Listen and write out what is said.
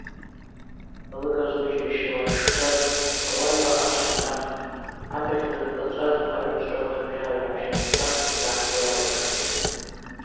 Алыгажв ауи джьайщауа дшчӏваз ауарба ачв гӏанагтӏ, абыгъь дызцӏачӏваз агӏвычӏвгӏвакӏ рбжьара йгӏабжьанацӏан йафуа йалагатӏ.